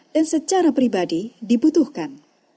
dan secara pribadi dibutuhkan